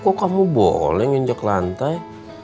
kok kamu boleh nginjak lantai